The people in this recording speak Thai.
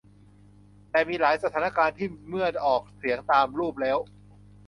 แต่มีหลายสถานการณ์ ที่เมื่อออกเสียงตามรูปแล้ว